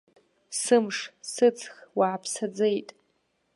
Сымш, сыҵх, уааԥсаӡеит.